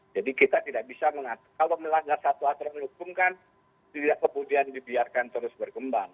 jadi kita tidak bisa kalau melanggar satu aturan hukum kan tidak kemudian dibiarkan terus berkembang